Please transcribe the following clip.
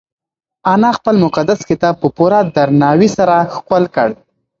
انا خپل مقدس کتاب په پوره درناوي سره ښکل کړ.